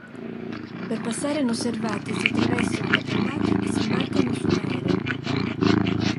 Per passare inosservati si travestono da prelati e si imbarcano su un aereo.